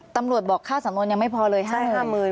ตำรวจบอกค่าสำนวนยังไม่พอเลย๕หมื่นใช่๕หมื่น